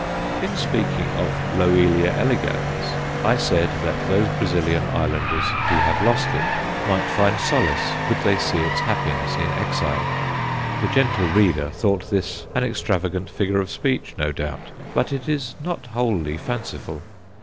In speaking of Loelia elegans, I said that those Brazilian islanders who have lost it might find solace could they see its happiness in exile. The gentle reader thought this an extravagant figure of speech, no doubt, but it is not wholly fanciful.